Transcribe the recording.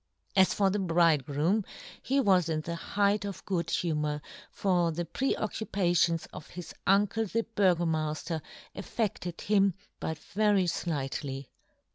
As for the bridegroom he was in the height of good humour, for the pre occupations of his uncle the Burgomafter affedled him but very (lightly.